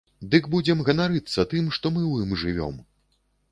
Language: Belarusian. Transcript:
Дык будзем ганарыцца тым, што мы ў ім жывём!